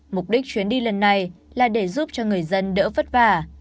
mục đích chuyến đi lần này là để giúp cho người dân đỡ vất vả